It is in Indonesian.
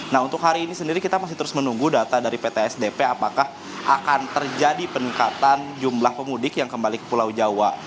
nah untuk hari ini sendiri kita masih terus menunggu data dari ptsdp apakah akan terjadi peningkatan jumlah pemudik yang kembali ke pulau jawa